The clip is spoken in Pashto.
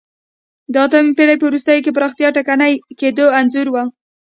د اتمې پېړۍ په وروستیو کې پراختیا ټکنۍ کېدو انځور و